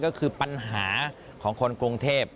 ก็คือปัญหาของคนกรุงเทพ